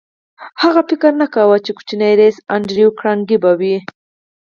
هغه فکر نه کاوه چې کوچنی ريیس انډریو کارنګي به وي